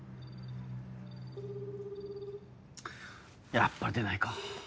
やっぱり出ないか。